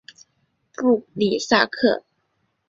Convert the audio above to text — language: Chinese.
布里萨克。